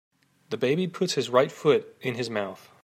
The baby puts his right foot in his mouth.